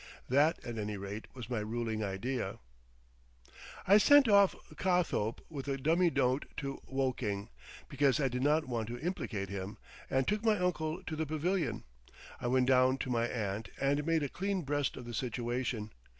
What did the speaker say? That, at any rate, was my ruling idea. I sent off Cothope with a dummy note to Woking, because I did not want to implicate him, and took my uncle to the pavilion. I went down to my aunt, and made a clean breast of the situation.